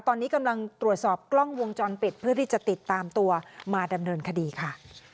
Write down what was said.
ตอนนี้กำลังตรวจสอบกล้องวงจรปิดเพื่อที่จะติดตามตัวมาดำเนินคดีค่ะ